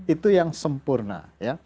itu yang sempurna